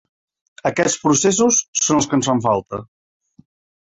Aquests processos són els que ens fan falta.